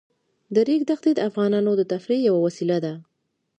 د ریګ دښتې د افغانانو د تفریح یوه وسیله ده.